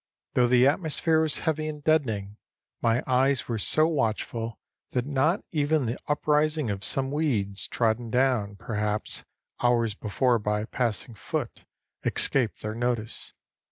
Though the atmosphere was heavy and deadening, my eyes were so watchful that not even the uprising of some weeds, trodden down, perhaps, hours before by a passing foot, escaped their notice.